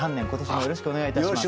よろしくお願いします。